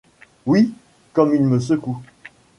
Oui. — Comme il me secoue !